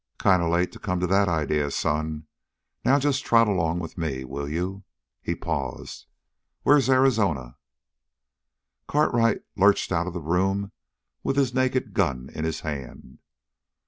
"Kind of late to come to that idea, son. Now just trot along with me, will you?" He paused. "Where's Arizona?" Cartwright lurched out of the room with his naked gun in his hand.